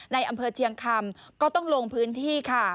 ในอำเภอเชียงคำก็ต้องลงพื้นที่ค่ะ